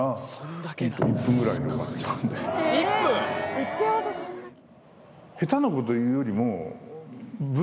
打ち合わせそんだけ？